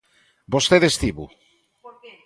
¿Vostede estivo?